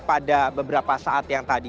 pada beberapa saat yang tadi